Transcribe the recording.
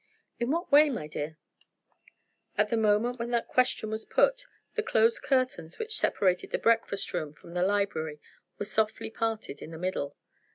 "In what way, my dear?" At the moment when that question was put, the closed curtains which separated the breakfast room from the library were softly parted in the middle.